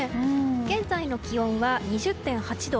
現在の気温は２０．８度。